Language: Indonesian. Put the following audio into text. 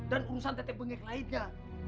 dan urusan tetep bengek lainnya